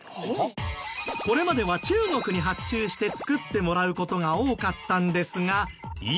これまでは中国に発注して作ってもらう事が多かったんですが今は。